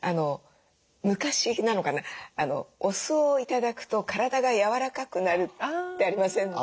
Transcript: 昔なのかなお酢を頂くと体がやわらかくなるってありませんでした？